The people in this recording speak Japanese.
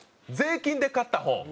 『税金で買った本』。